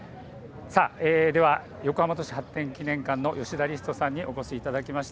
では横浜都市発展記念館の吉田律人さんにお越しいただきました。